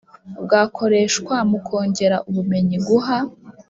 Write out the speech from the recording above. bwakoreshwa mu kongera ubumenyi Guha